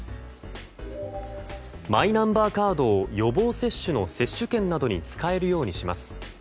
マイナンバーカードを予防接種の接種券などに使えるようにします。